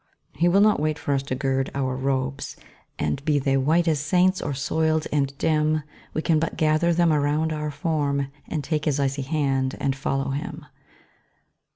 He will not wait for us to gird our robes, And be they white as saints, or soiled and dim, We can but gather them around our form, And take his icy hand and follow him.